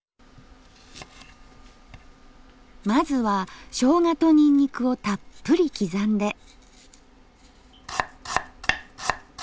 まずはしょうがとニンニクをたっぷり刻んで。